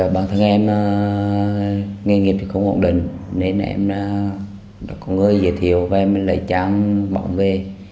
bản thân em nghề nghiệp không ổn định nên em đã có người giới thiệu và em lấy trang bỏng về